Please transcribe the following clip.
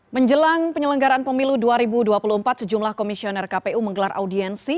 menjelang penyelenggaraan pemilu dua ribu dua puluh empat sejumlah komisioner kpu menggelar audiensi